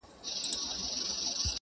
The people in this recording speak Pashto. • هره شېبه ولګېږي زر شمعي,